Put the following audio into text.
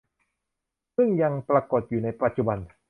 ซึ่งยังปรากฏอยู่ในปัจจุบัน